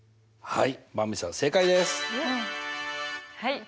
はい！